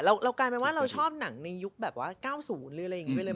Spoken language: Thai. เรากลายเป็นว่าเราชอบหนังในยุคแบบว่า๙๐หรืออะไรอย่างนี้ไปเลย